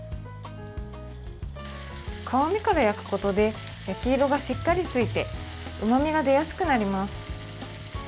皮目から焼くことで焼き色がしっかりついてうまみが出やすくなります。